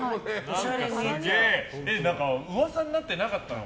何か、噂になってなかったの？